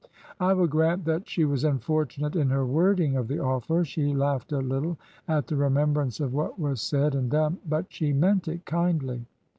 I will grant that she was unfortunate in her wording of the offer—" she laughed a little at the remembrance of what was said and done— '' but she meant it kindly."